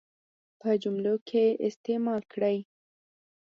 په جملو کې استعمال کړي.